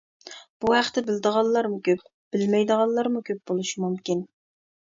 بۇ ھەقتە بىلىدىغانلارمۇ كۆپ، بىلمەيدىغانلارمۇ كۆپ بولۇشى مۇمكىن.